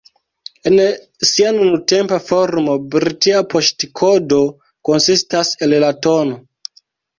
En sia nuntempa formo, britia poŝtkodo konsistas el la tn.